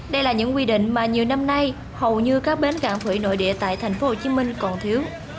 đây là những quy định mà nhiều năm nay hầu như các bến cảng thủy nội địa tại tp hcm còn thiếu